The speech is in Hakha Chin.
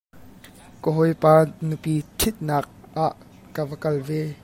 Ka hawipa nupi ṭhitnak ah ka va kal ve.